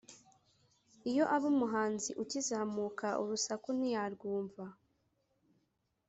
iyo aba umuhanzi ukizamuka urusaku ntiyarwumva